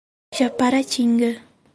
Japaratinga